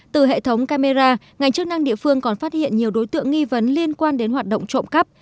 từ hệ thống camera ngành chức năng địa phương còn phát hiện nhiều đối tượng nghi vấn liên quan đến hoạt động trộm cắp